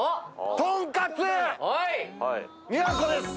とんかつ都です。